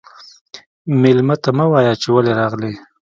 مېلمه ته مه وايه چې ولې راغلې.